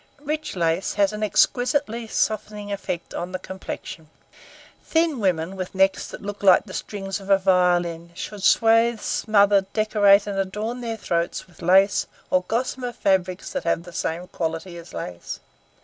Rich lace has an exquisitely softening effect on the complexion. Thin women with necks that look like the strings of a violin should swathe, smother, decorate, and adorn their throats with lace or gossamer fabrics that have the same quality as lace.